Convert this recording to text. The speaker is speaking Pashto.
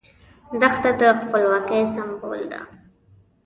دښته د خپلواکۍ سمبول ده.